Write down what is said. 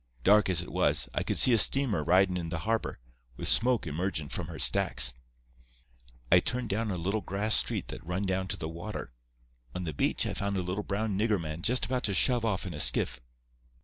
Dark as it was, I could see a steamer ridin' in the harbour, with smoke emergin' from her stacks. I turned down a little grass street that run down to the water. On the beach I found a little brown nigger man just about to shove off in a skiff.